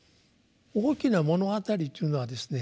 「大きな物語」っていうのはですね